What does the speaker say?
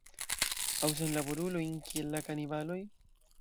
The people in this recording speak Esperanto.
Aŭ senlaborulojn, kiel la kanibaloj?